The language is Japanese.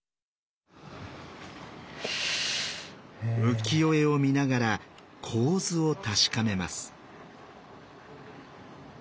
浮世絵を見ながら構図を確かめます。